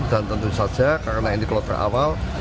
dan tentu saja karena ini kalau terawal